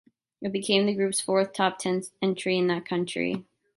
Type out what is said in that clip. It became the group's fourth top ten entry in that country.